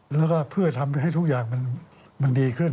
แล้วก็เพื่อทำให้ทุกอย่างมันดีขึ้น